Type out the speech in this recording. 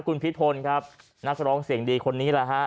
คุณพิพลครับนักร้องเสียงดีคนนี้แหละฮะ